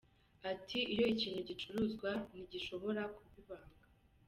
Ati “Iyo ikintu gicuruzwa ntigishobora kuba ibanga.